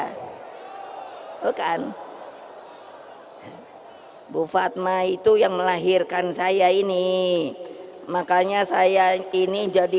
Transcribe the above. hai eh hai nenek saya bukan hai bu fatma itu yang melahirkan saya ini makanya saya ini jadi